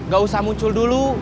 gak usah muncul dulu